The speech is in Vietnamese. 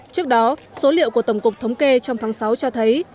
trước đó số liệu của tổng cục thống kê trong tháng sáu cho thấy